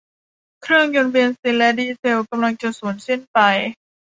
เครื่องยนต์เบนซินและดีเซลกำลังจะสูญสิ้นไป